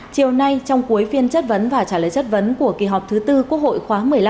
chiều nay trong cuối phiên chất vấn và trả lời chất vấn của kỳ họp thứ tư quốc hội khóa một mươi năm